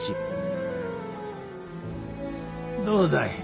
どうだい？